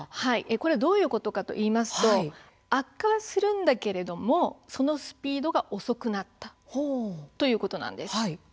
これはどういうことかといいますと悪化はするんですがそのスピードが遅くなったということなんです。